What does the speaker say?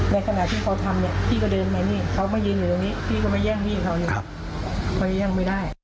ในขณะที่เขาทำเนี่ยพี่ก็เดินไหนนี่เขาไม่ยืนอยู่ตรงนี้พี่ก็ไม่แย่งพี่เขาอยู่